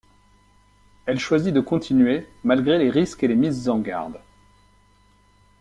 Elle choisit de continuer malgré les risques et les mises en garde.